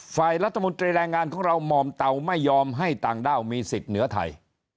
ฝ่ายรัฐมนตรีแรงงานของเราหม่อมเตาไม่ยอมให้ต่างด้าวมีสิทธิ์เหนือไทย